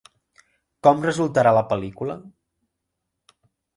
Com resultarà la pel·lícula?